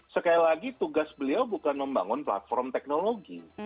sekali lagi tugas beliau bukan membangun platform teknologi